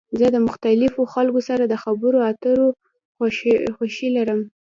زه د مختلفو خلکو سره د خبرو اترو خوښی لرم.